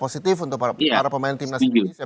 positif untuk para pemain tim nasional indonesia